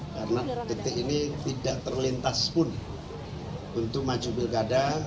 karena detik ini tidak terlintas pun untuk maju bilkada